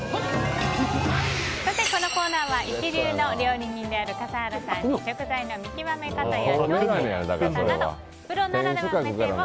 このコーナーは一流の料理人である笠原さんに食材の見極め方や調理の仕方などプロならではの目線を